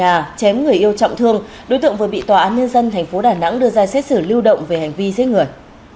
trần phi tùng đã chém người yêu trọng thương đối tượng vừa bị tòa án nhân dân tp đà nẵng đưa ra xét xử lưu động về hành vi giết người